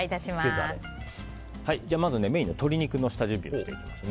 まずメインの鶏肉の下準備をしていきますね。